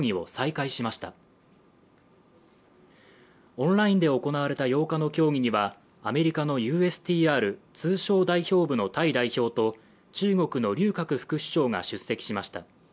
オンラインで行われた８日の協議にはアメリカのＵＳＴＲ＝通商代表部のタイ代表と、中国の劉鶴副首相が出席しました。